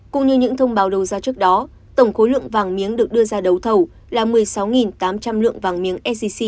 cũng như những thông báo đầu ra trước đó tổng khối lượng vàng miếng được đưa ra đấu thầu là một mươi sáu tám trăm linh lượng vàng miếng sgc